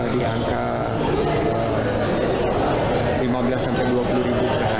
di angka rp lima belas dua puluh per hari